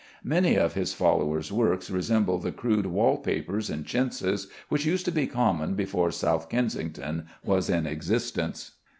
Many of his followers' works resemble the crude wall papers and chintzes which used to be common before South Kensington was in existence.